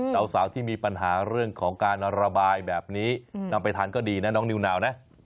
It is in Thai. สาวที่มีปัญหาเรื่องของการระบายแบบนี้นำไปทานก็ดีนะน้องนิวนาวนะ